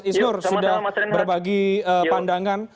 isnur sudah berbagi pandangan